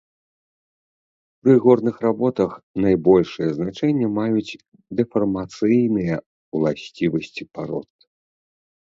Пры горных работах найбольшае значэнне маюць дэфармацыйныя ўласцівасці парод.